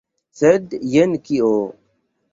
Sed jen kio!